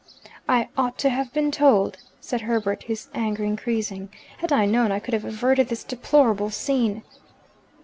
"I ought to have been told," said Herbert, his anger increasing. "Had I known, I could have averted this deplorable scene."